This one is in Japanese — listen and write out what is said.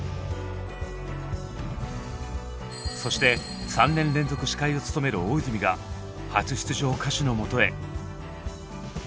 そして３年連続司会を務める大泉が初出場歌手のもとへ！